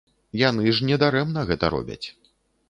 Яны ж не дарэмна гэта робяць.